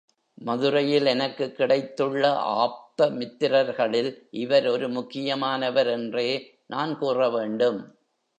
மதுரையில் எனக்குக் கிடைத்துள்ள ஆப்த மித்திரர்களில் இவர் ஒரு முக்கியமானவர் என்றே நான் கூற வேண்டும்.